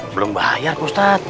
belum bayar pak ustadz